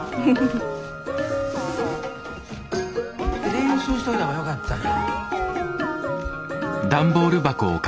練習しといたほうがよかったんや。